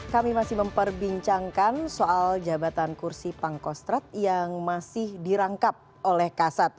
kami masih memperbincangkan soal jabatan kursi pangkostrat yang masih dirangkap oleh kasat